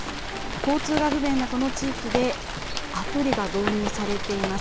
交通が不便なこの地域で、アプリが導入されています。